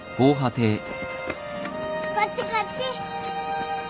こっちこっち。